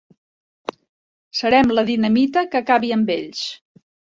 Serem la dinamita que acabi amb ells.